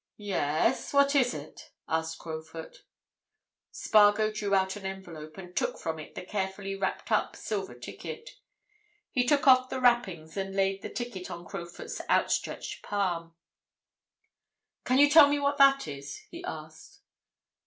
"Yes—what is it?" asked Crowfoot. Spargo drew out an envelope, and took from it the carefully wrapped up silver ticket. He took off the wrappings and laid the ticket on Crowfoot's outstretched palm. "Can you tell me what that is?" he asked.